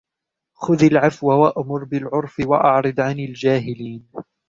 خُذِ الْعَفْوَ وَأْمُرْ بِالْعُرْفِ وَأَعْرِضْ عَنِ الْجَاهِلِينَ